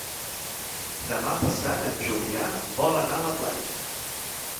Demà passat en Julià vol anar a la platja.